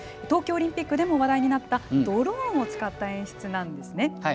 東京オリンピックでも話題になったドローンを使った演出なんですね。